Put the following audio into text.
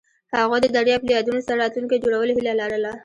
هغوی د دریاب له یادونو سره راتلونکی جوړولو هیله لرله.